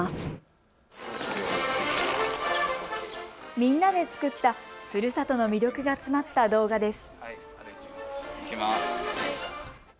みんなで作ったふるさとの魅力が詰まった動画です。